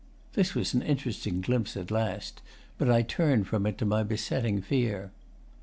This was an interesting glimpse at last, but I turned from it to my besetting fear.